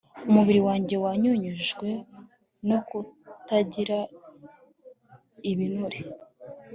umubiri wanjye wanyunyujwe no kutagira ibinure